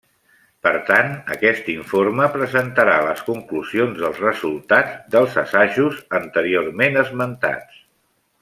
Per tant, aquest informe presentarà les conclusions dels resultats dels assajos anteriorment esmentats.